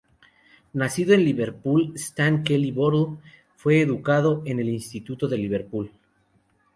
Nacido en Liverpool, Stan Kelly-Bootle fue educado en el Instituto de Liverpool.